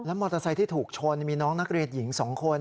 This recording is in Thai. แล้วมอเตอร์ไซส์ที่ถูกชนมีน้องนักเรียนหญิงสองคนนะ